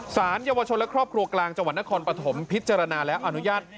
สารเยาวชนและครอบครัวกลางจังหวัดนครปฐมพิจารณาแล้วอนุญาต